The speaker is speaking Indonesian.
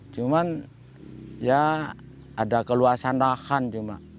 cuman ya ada keluasan lahan cuma